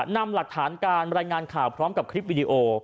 นำหลักฐานการรายงานข่าวพร้อมกับคลิปวิดีโอ